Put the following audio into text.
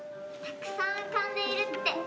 たくさん浮かんでいるって。